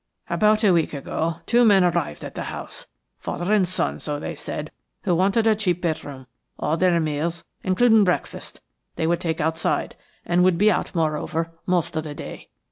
About a week ago two men arrived at the house, father and son, so they said, who wanted a cheap bedroom; all their meals, including breakfast, they would take outside, and would be out, moreover, most of the day.